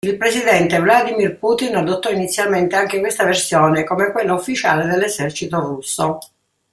Il presidente Vladimir Putin adottò inizialmente anche questa versione come quella ufficiale dell'Esercito russo.